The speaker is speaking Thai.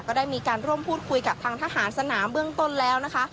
ได้มีการร่วมพูดคุยกับทางทหารสนามเบื้องต้นแล้วนะคะ